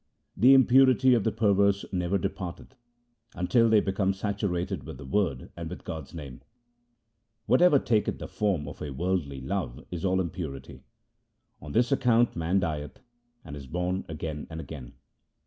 The impurity of the perverse never departeth Until they become saturated with the Word and with God's name. Whatever taketh the form of worldly love is all impurity : On this account man dieth and is born again and again.